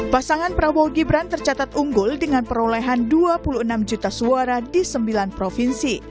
pasangan prabowo gibran tercatat unggul dengan perolehan dua puluh enam juta suara di sembilan provinsi